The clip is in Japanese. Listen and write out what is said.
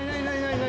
何？